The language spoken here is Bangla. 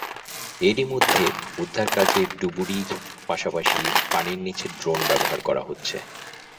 এরই মধ্যে উদ্ধারকাজে ডুবুরির পাশাপাশি পানির নিচে ড্রোন ব্যবহার করা হচ্ছে।